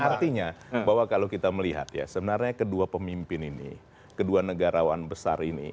artinya bahwa kalau kita melihat ya sebenarnya kedua pemimpin ini kedua negarawan besar ini